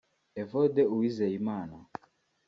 Evode Uwizeyimana